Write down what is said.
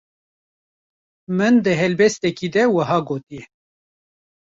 Min di helbestekî de wiha gotiye: